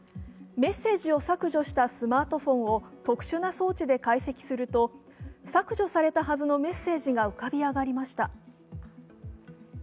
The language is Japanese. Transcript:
メッセージを削除したスマートフォンを特殊な装置で解析すると削除されたはずのメッセージが浮かび上がりました。